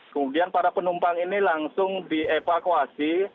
kemudian para penumpang ini langsung dievakuasi